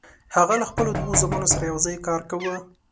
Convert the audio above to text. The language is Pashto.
هغه له خپلو دوو زامنو سره یوځای کار کاوه.